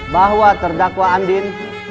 bahwa terdakwa andin